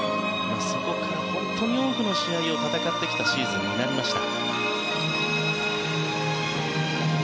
そこから本当に多くの試合を戦ってきたシーズンになりました。